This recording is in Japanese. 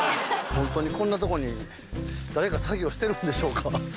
ホントにこんなとこに誰か作業してるんでしょうか。